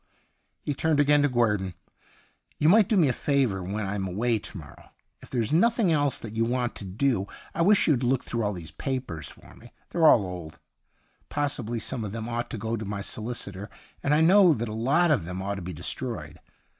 He turned again to Guerdon. ' You might do me a favour when I'm away to morrow, if there's nothing else that you want to do. I wish you'd look through all these papers for me. They're all old. Possibly some of them ought to go to my solicitor, and I know that a lot of them ought to be destroyed.